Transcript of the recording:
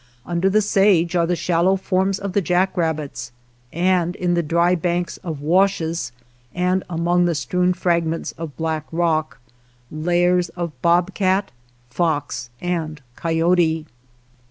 Under the sage are the shallow forms of the jackrabbits, and in the dry banks of washes, and among the strewn fragments of black rock, lairs of bobcat, fox, and coyote.